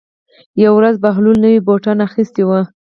یوه ورځ بهلول نوي بوټان اخیستي وو.